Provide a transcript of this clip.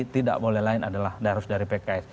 tidak boleh lain adalah darus dari pks